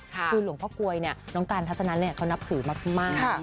คือหลวงพ่อก๊วยเนี่ยน้องการทัศนันเนี่ยเขานับถือมาก